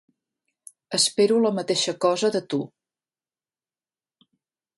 Espero la mateixa cosa de tu!